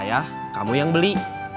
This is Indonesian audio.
ya kamu yang beli